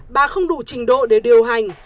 bà không đủ trình độ để điều hành